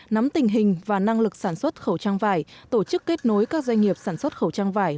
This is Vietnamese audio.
nắm tình hình và năng lực sản xuất khẩu trang vải tổ chức kết nối các doanh nghiệp sản xuất khẩu trang vải